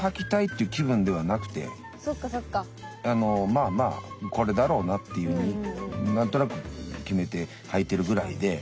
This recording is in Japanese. まあまあこれだろうなっていうふうに何となく決めてはいてるぐらいで。